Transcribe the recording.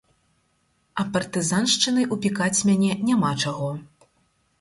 А партызаншчынай упікаць мяне няма чаго.